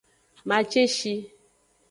Maceshi.